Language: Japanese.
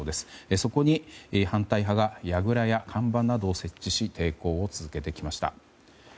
そこに反対派がやぐらや看板などを設置し、抵抗を続けてきました。